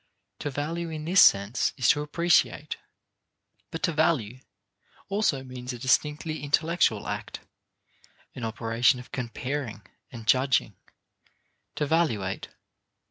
To value in this sense is to appreciate. But to value also means a distinctively intellectual act an operation of comparing and judging to valuate.